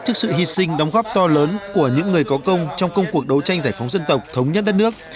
trước sự hy sinh đóng góp to lớn của những người có công trong công cuộc đấu tranh giải phóng dân tộc thống nhất đất nước